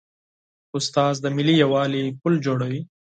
استاد د ملي یووالي پل جوړوي.